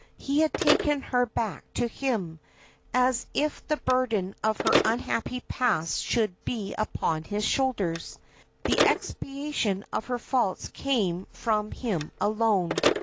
He had taken her back to him, as if the burden of her unhappy past should be upon his shoulders, the expiation of her faults come from him alone.